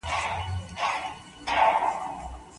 رحیم له حجرې نه صالون ته ورغی.